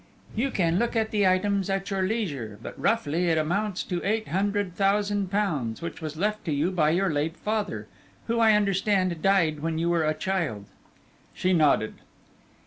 "You can look at the items at your leisure, but roughly it amounts to eight hundred thousand pounds, which was left you by your late father, who, I understand, died when you were a child." She nodded.